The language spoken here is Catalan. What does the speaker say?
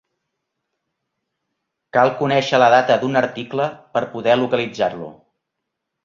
Cal conèixer la data d'un article per poder localitzar-lo.